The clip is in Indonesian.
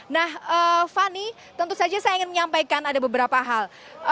nah fani tentu saja saya ingin menyampaikan ada beberapa hal